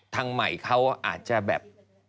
ทางใหม่เขาอาจจะแบบ